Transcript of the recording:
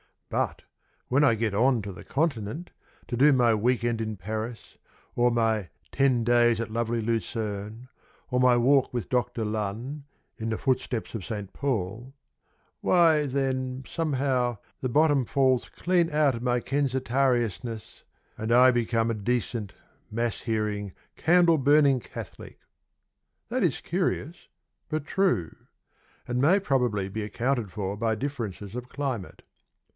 But, when I get on to the Continent, To do my week end in Paris, Or my "ten days at lovely Lucerne," Or my walk with Dr. Lunn "In the footsteps of St. Paul," Why, then, somehow The bottom falls clean out of my Kensitariousness And I become a decent, mass hearing, candle burning Catholic. That is curious, but true, And may probably be accounted for By differences of climate.